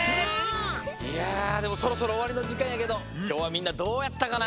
いやでもそろそろおわりのじかんやけどきょうはみんなどうやったかな？